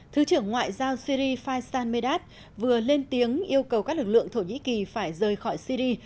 thứ trưởng ngoại giao syri faisan medat vừa lên tiếng yêu cầu các lực lượng thổ nhĩ kỳ phải rời khỏi syri